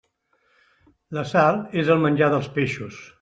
La sal és el menjar dels peixos.